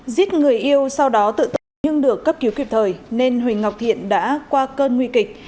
giết người yêu sau đó tự tử nhưng được cấp cứu kịp thời nên huỳnh ngọc thiện đã qua cơn nguy kịch